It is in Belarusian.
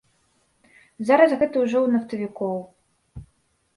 Зараз гэта ўжо ў нафтавікоў.